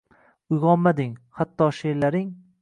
Uygʻonmading, hatto sheʼrlaring